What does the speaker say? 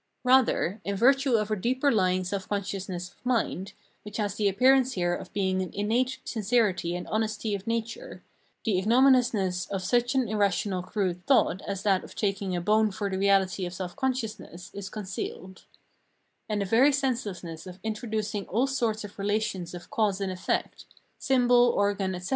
Rather, in virtue of a deeper lying self consciousness of mind, which has the appearance here of being an innate sincerity and honesty of nature, the ignominiousness of such an irrational crude thought as that of taking a bone for the reahty of self consciousness, is concealed ; and the very senselessness of introducing all sorts of relations of cause and effect, "symbol,"' "organ," etc.